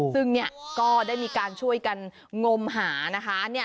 ซึ่งเนี่ยก็ได้มีการช่วยกันงมหานะคะ